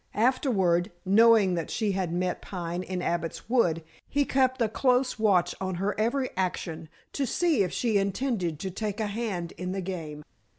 Afterward, knowing that she had met Pine in Abbot's Wood, he kept a close watch on her every action to see if she intended to take a hand in the game.